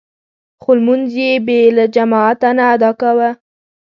خو لمونځ يې بې له جماعته نه ادا کاوه.